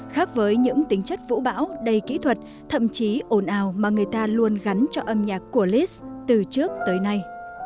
khác với những tính chất vũ bão đầy kỹ thuật thậm chí ồn ào mà người ta luôn gắn cho âm nhạc của lít từ trước tới nay